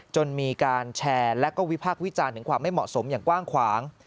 จนมีการแชร์และก็วิพากษ์วิจารณ์ถึงความไม่เหมาะสมอย่างกว้างขวาง